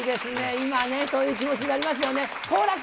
今ね、そういう気持ちになりますよね。